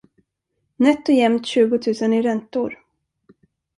Nätt och jämnt tjugotusen i räntor.